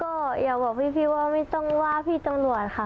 ก็อยากบอกพี่ว่าไม่ต้องว่าพี่ตำรวจค่ะ